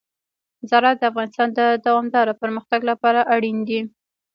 زراعت د افغانستان د دوامداره پرمختګ لپاره اړین دي.